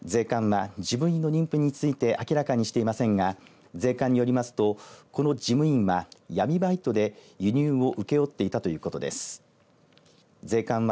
税関は事務員の認否について明らかにしていませんが税関によりますとこの事務員は、闇バイトで輸入を請け負っていたということです。